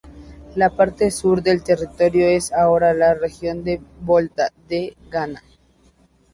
La parte sur del territorio es ahora la "Región del Volta" de Ghana.